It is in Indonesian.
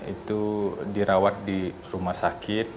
itu dirawat di rumah sakit